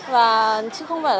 và chứ không phải là đồ